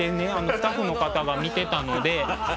スタッフの方が見てたので。